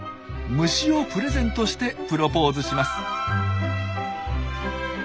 虫をプレゼントしてプロポーズします。